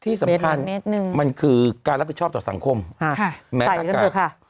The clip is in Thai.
ที่สำคัญมันคือการรับผิดชอบตัวสังคมค่ะอะไรอยู่ค่ะ